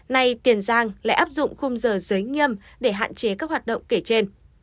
nay tiền giang lại áp dụng khung giờ giới nghiêm để hạn chế các hoạt động kể trên